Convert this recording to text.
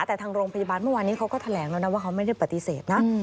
แต่ทางโรงพยาบาลเมื่อวานนี้เขาก็แถลงแล้วนะว่าเขาไม่ได้ปฏิเสธนะ